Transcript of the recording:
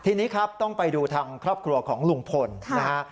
ทีนี้ครับต้องไปดูทางครอบครัวของลุงพลนะฮะ